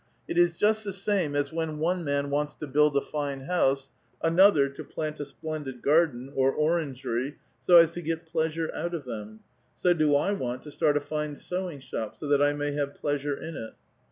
It is just "^^ Same as when one man wants to build a fine house, another, to plant a splendid garden, or orangery, so as to S^t pleasure out of them ; so do I want to start a fine sewing '^"^Pi so that I ma3* have pleasure in it.